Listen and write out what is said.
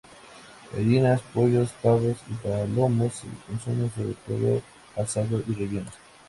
Gallinas, pollos, pavos y palomos se consumen sobre todo asados y rellenos.